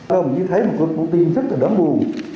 chúng tôi thấy một cuộc cuộc chiến rất đáng buồn